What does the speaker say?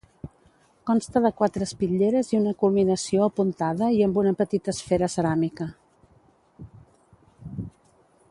Consta de quatre espitlleres i una culminació apuntada i amb una petita esfera ceràmica.